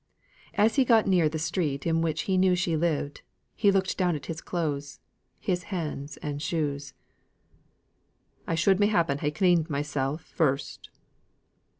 As he got near the street in which he knew she lived, he looked down at his clothes, his hands, his shoes. "I should m'appen ha' cleaned mysel', first."